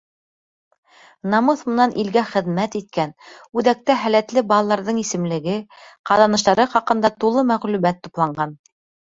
Намыҫ менән илгә хеҙмәт иткән, Үҙәктә һәләтле балаларҙың исемлеге, ҡаҙаныштары хаҡында тулы мәғлүмәт тупланған.